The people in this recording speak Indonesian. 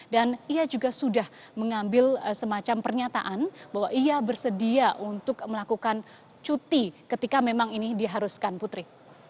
dan ia juga sudah mengambil semacam pernyataan bahwa ia bersedia untuk melakukan cuti ketika memang ini diharuskan putri